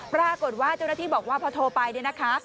ปรากฏว่าเจ้าหน้าที่บอกว่าพอโทรไปเนี่ยนะคะ